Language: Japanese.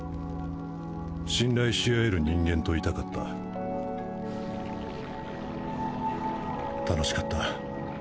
信頼し合える人間といたかった楽しかった。